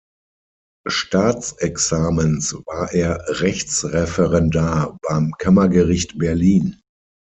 Staatsexamens war er Rechtsreferendar beim Kammergericht Berlin.